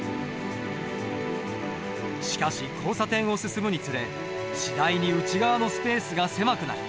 しかし交差点を進むにつれ次第に内側のスペースが狭くなる。